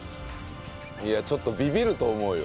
いやちょっとビビると思うよ。